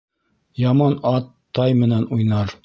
Яман ат тай менән уйнар